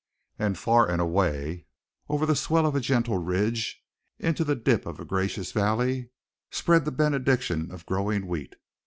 And far and away, over the swell of gentle ridge, into the dip of gracious valley, spread the benediction of growing wheat.